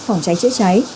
phòng cháy chế cháy